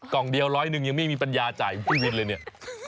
กล่องเดียวร้อยหนึ่งยังไม่มีปัญญาจ่ายพี่วินเลยเนี่ย